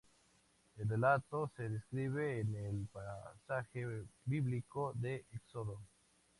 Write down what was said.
El relato se describe en el pasaje bíblico de Éxodo.